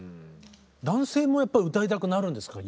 男性もやっぱ歌いたくなるんですか？